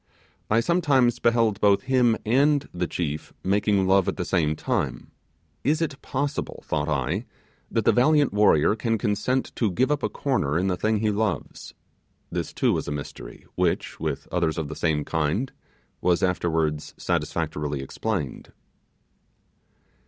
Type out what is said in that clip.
I sometimes beheld both him and the chief making love at the same time. Is it possible, thought I, that the valiant warrior can consent to give up a corner in the thing he loves? This too was a mystery which, with others of the same kind, was afterwards satisfactorily explained.